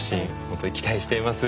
本当に期待しています。